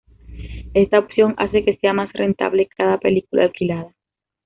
Esta opción hace que sea más rentable cada película alquilada.